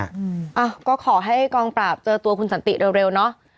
อ้าวก็ขอให้กองปราบเจอตัวคุณศัลติเร็วเนอะ